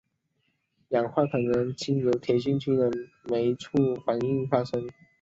氧化可能经由铁细菌的酶促反应发生。